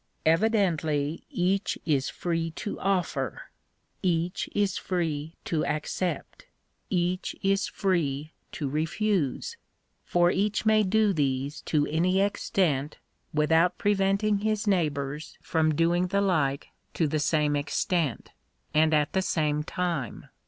Evidently each is free to offer ; eaoh is free to accept; each is free to refuse; for each may do these to any extent without preventing his neighbours from Digitized by VjOOQIC THE RIGHT OF EXCHANGE. 147 doing the like to the same extent, and at the same time.